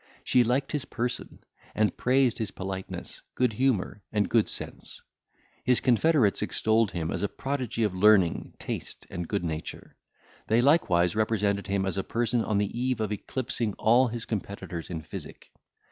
She liked his person, and praised his politeness, good humour, and good sense; his confederates extolled him as a prodigy of learning, taste, and good nature; they likewise represented him as a person on the eve of eclipsing all his competitors in physic.